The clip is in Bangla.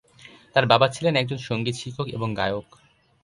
তার বাবা ছিলেন একজন সঙ্গীত শিক্ষক এবং গায়ক।